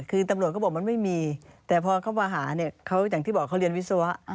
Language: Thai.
คือตำรวจก็บอกมันไม่มีแต่พอเขามาหาเนี่ยเขาอย่างที่บอกเขาเรียนวิศวะ